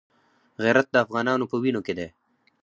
غیرت د افغانانو په وینو کې دی.